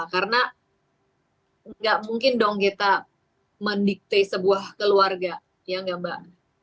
karena gak mungkin dong kita mendikte sebuah keluarga ya gak mbak